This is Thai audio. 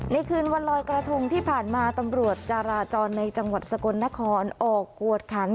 คืนวันลอยกระทงที่ผ่านมาตำรวจจาราจรในจังหวัดสกลนครออกกวดขัน